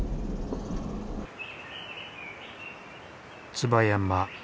椿山。